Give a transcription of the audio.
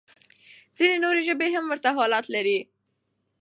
ځينې نورې ژبې هم ورته حالت لري.